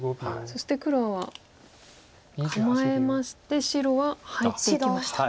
そして黒は構えまして白は入っていきました。